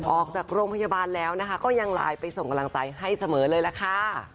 ออกจากโรงพยาบาลแล้วนะคะก็ยังไลน์ไปส่งกำลังใจให้เสมอเลยล่ะค่ะ